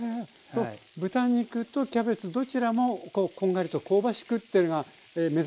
豚肉とキャベツどちらもこんがりと香ばしくっていうのが目指すところ。